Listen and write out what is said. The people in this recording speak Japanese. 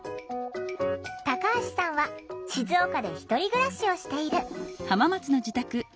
タカハシさんは静岡で１人暮らしをしている。